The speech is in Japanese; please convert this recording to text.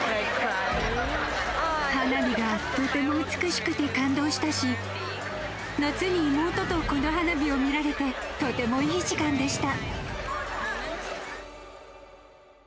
花火がとても美しくて感動したし、夏に妹とこの花火を見られて、とてもいい時間でした。